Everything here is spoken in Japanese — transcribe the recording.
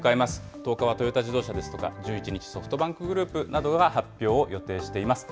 １０日はトヨタ自動車ですとか、１１日、ソフトバンクグループなどが発表を予定しています。